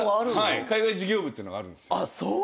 海外事業部っていうのがあるんですよ。